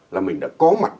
là mình đã có mặt